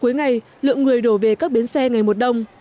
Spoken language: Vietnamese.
cuối ngày lượng người đổ về các bến xe ngày một đông